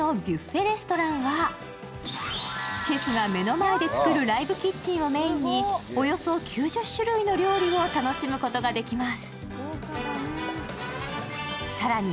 レストランはシェフが目の前で作るライブキッチンをメインにおよそ９０種類の料理を楽しむことができます。